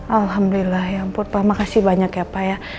alhamdulillah ya ampun pak makasih banyak ya pak ya